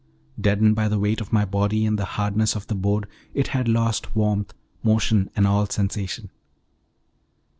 Deadened by the weight of my body and the hardness of the boards, it had lost warmth, motion, and all sensation.